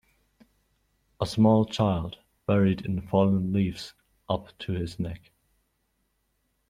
A small child buried in fallen leaves up to his neck.